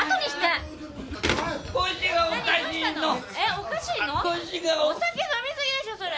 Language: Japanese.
お酒飲み過ぎでしょそれ。